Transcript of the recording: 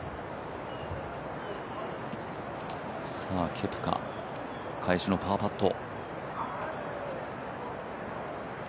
ケプカ、返しのパーパット。